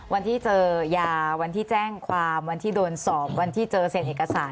วันที่เจอยาวันที่แจ้งความวันที่โดนสอบวันที่เจอเสร็จเอกสาร